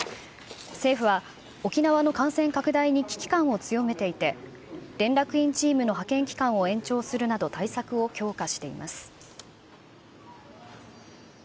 政府は沖縄の感染拡大に危機感を強めていて、連絡員チームの派遣期間を延長するなど、対策を強化しています。